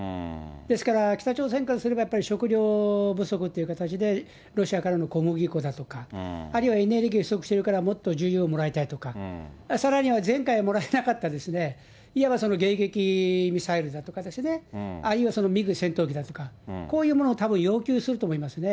ですから、北朝鮮からすれば、やっぱり食料不足っていう形で、ロシアからの小麦粉だとか、あるいはエネルギーが不足しているから、もっと重油をもらいたいとか、さらには前回もらえなかったいわば、迎撃ミサイルですとかね、あるいはミグ戦闘機だとか、こういうものをたぶん、要求すると思いますね。